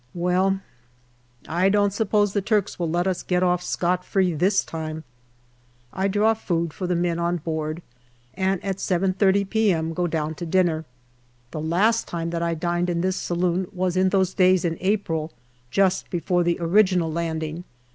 Well, I don't suppose the Turks will let us get off scot free this time. I draw food for the men on board, and at 7.30 p.m. go down to dinner. The last time that I dined in this saloon was in those days in April, just before the original landing.